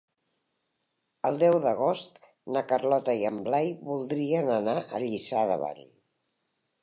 El deu d'agost na Carlota i en Blai voldrien anar a Lliçà de Vall.